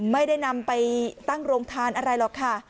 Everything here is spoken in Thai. ไม่ได้นำไปตั้งโรงทานอะไรหรอกค่ะ